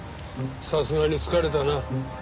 さすがに疲れたな。